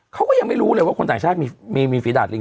เขาก็ยังไม่รู้เลยว่าคนต่างชาติมีฝีดาดลิง